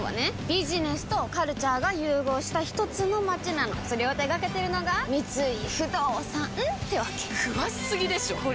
ビジネスとカルチャーが融合したひとつの街なのそれを手掛けてるのが三井不動産ってわけ詳しすぎでしょこりゃ